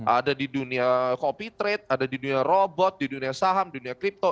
ada di dunia copy trade ada di dunia robot di dunia saham dunia crypto